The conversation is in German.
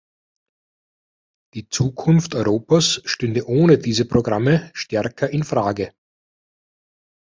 Die Zukunft Europas stünde ohne diese Programme stärker in Frage.